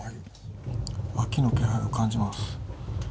秋の気配を感じます。